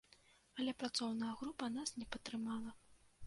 Але працоўная група нас не падтрымала.